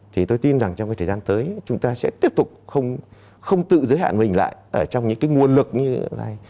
thì tôi tin rằng trong cái thời gian tới chúng ta sẽ tiếp tục không tự giới hạn mình lại ở trong những cái nguồn lực như hiện nay